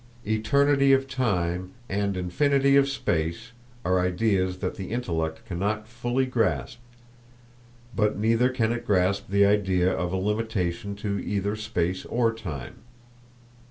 Eternity of time and infinity of space are ideas that the intellect cannot fully grasp, but neither can it grasp the idea of a limitation to either space or time.